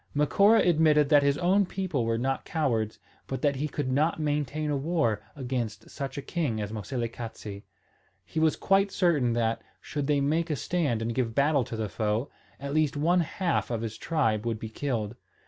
Macora admitted that his own people were not cowards, but that he could not maintain a war against such a king as Moselekatse. He was quite certain that, should they make a stand and give battle to the foe, at least one half of his tribe would be killed.